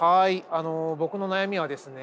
あの僕の悩みはですね